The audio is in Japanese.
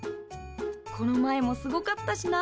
この前もすごかったしな。